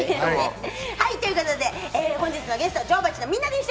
ということで本日のゲスト、女王蜂のみんなでした！